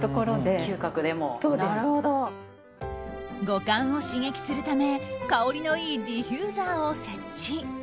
五感を刺激するため香りのいいディフューザーを設置。